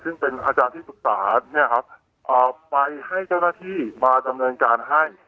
ซึ่งเป็นอาจารย์ที่ศึกษาเนี้ยครับเอ่อไปให้เจ้าหน้าที่มาจำเนินการให้